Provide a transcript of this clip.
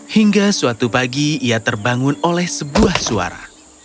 hingga suatu pagi ia terbangun oleh sebuah suara